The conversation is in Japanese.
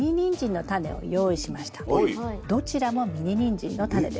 どちらもミニニンジンのタネです。